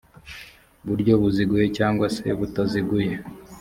buryo buziguye cyangwa se butaziguye